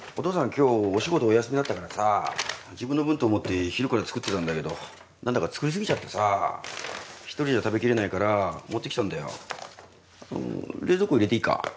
今日お仕事お休みだったからさ自分の分と思って昼から作ってたんだけど何だか作りすぎちゃってさ一人じゃ食べきれないから持ってきたんだよ冷蔵庫入れていいか？